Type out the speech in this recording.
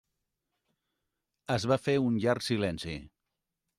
Es va fer un llarg silenci.